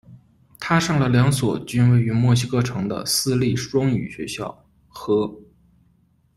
她上了两所均位于墨西哥城的私立双语学校：和。